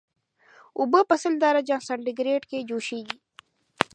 اوبه په سل درجه سانتي ګریډ کې جوشیږي